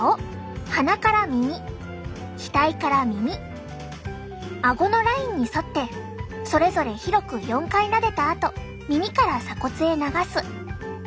鼻から耳額から耳あごのラインに沿ってそれぞれ広く４回なでたあと耳から鎖骨へ流す。